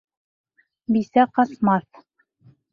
Бисә ҡасмаҫ.